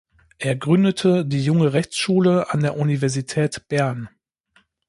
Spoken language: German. Er gründete die «Junge Rechtsschule» an der Universität Bern.